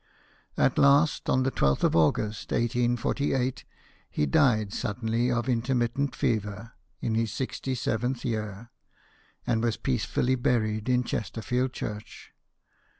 At last, on the I2th of August, 1848, he died suddenly of intermittent fever, in his sixty seventh year, and was peace fully buried in Chesterfield church.